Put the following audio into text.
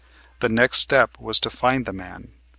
The next step was to find the man.